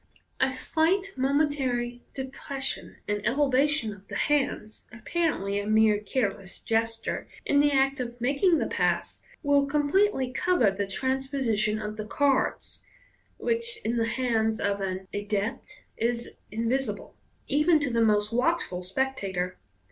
A slight momentary depression and ele vation of the hands (apparently a mere careless gesture) in the act of making the pass will completely cover the transposition of the cards, which in the hands of an adept is invisible, even to the most watch ful spectator.